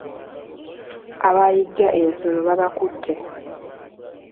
Abayigga ensolo babakutte.